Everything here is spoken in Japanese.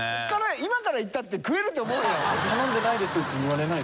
今から行ったって食えると思うよ。